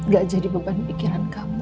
gak jadi beban pikiran kamu